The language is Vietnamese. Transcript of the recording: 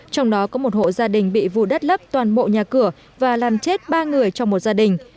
trong đó có một hộ gia đình bị vùi đất lấp toàn bộ nhà cửa và làm chết ba người trong một gia đình